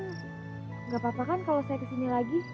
tidak apa apa kan kalau saya kesini lagi